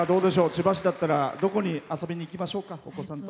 千葉市だったらどこに遊びに行きましょうかお子さんと。